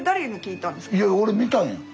いや俺見たんや。